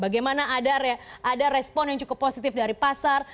bagaimana ada respon yang cukup positif dari pasar